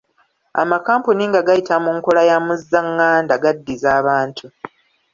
Amakampuni nga gayita mu nkola ya muzzanganda gaddiza abantu.